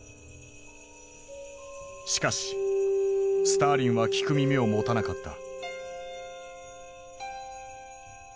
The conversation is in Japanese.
しかしスターリンは聞く耳を持たなかった。